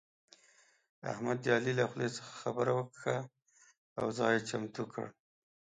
احمد د علي له خولې څخه خبره وکښه او ځای يې چمتو کړ.